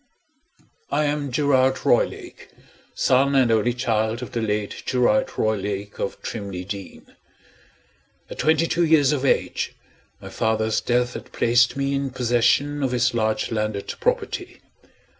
I am Gerard Roylake, son and only child of the late Gerard Roylake of Trimley Deen. At twenty two years of age, my father's death had placed me in possession of his large landed property.